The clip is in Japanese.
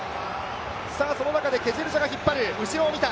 その中でケジェルチャが引っ張る、後ろを見た。